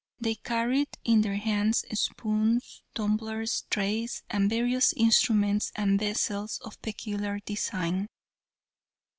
They carried in their hands, spoons, tumblers, trays, and various instruments and vessels of peculiar design.